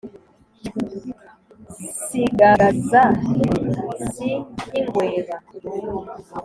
sigagaza si nk’ingweba